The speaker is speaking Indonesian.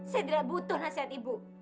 saya tidak butuh nasihat ibu